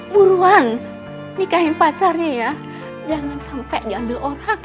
buruan nikahin pacarnya ya jangan sampai diambil orang